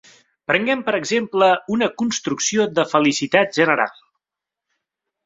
Prenguem, per exemple, una construcció de felicitat general.